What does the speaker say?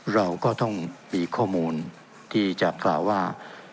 เราก็ต้องมีข้อมูลที่จะกล่าวว่า